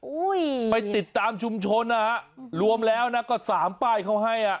อุ๊ยไปติดตามชุมชนนะฮะรวมแล้วนะก็๓ป้ายเขาให้